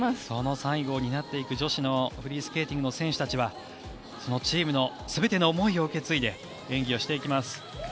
その最後を担っていく女子のフリースケーティングの選手たちはチームの全ての思いを受け継いで演技をしていきます。